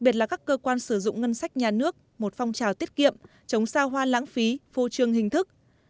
trong các cơ quan sử dụng ngân sách nhà nước